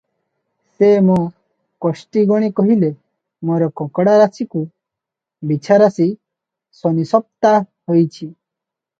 ସେ ମୋ’ କୋଷ୍ଠି ଗଣି କହିଲେ, ‘ମୋର କକଡ଼ା ରାଶିକୁ ବିଛା ରାଶି ଶନିସପ୍ତା ହୋଇଛି ।